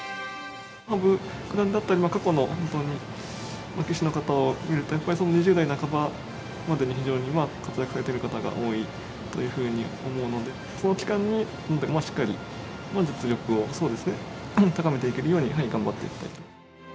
羽生九段だったり、過去の棋士の方を見ると、やっぱり２０代半ばまでに非常に活躍されてる方が多いというふうに思うので、その期間にしっかり実力を高めていけるように頑張ってやりたい。